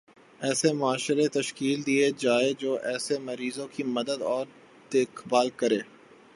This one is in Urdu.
ایسا معاشرہ تشکیل دیا جائےجو ایسے مریضوں کی مدد اور دیکھ بھال کرے